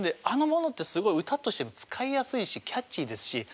「あ」のものってすごい歌としても使いやすいしキャッチーですし。